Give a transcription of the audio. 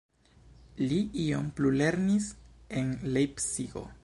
Li iom plulernis en Lejpcigo.